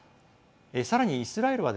さらに、イスラエルは